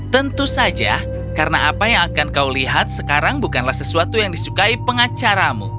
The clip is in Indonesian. tentu saja karena apa yang akan kau lihat sekarang bukanlah sesuatu yang disukai pengacaramu